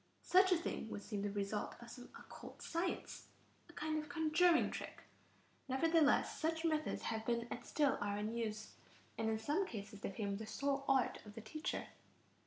Such a thing would seem the result of some occult science, a kind of conjuring trick. Nevertheless, such methods have been and still are in use, and in some cases they form the sole art of the teacher.